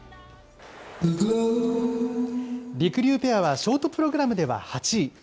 りくりゅうペアはショートプログラムでは８位。